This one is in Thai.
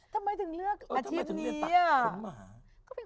ทำไมจึงเลือกอาชีพนี้อ่ะเหมือนจะเลือกตัดขนขนหมา